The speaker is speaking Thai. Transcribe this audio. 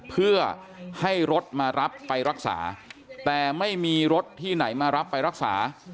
เพื่อให้รถมารับไปรักษาแต่ไม่มีรถที่ไหนมารับไปรักษา